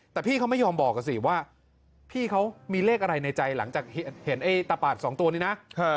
แต่พี่เขาไม่ยอมบอกสิว่าพี่เขามีเลขอะไรในใจหลังจากเห็นไอ้ตาปาดสองตัวนี้นะ